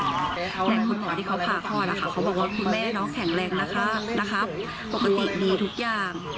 แต่คุณหมอที่เขาพาคลอดนะคะเขาบอกว่าคุณแม่น้องแข็งแรงนะคะปกติดีทุกอย่าง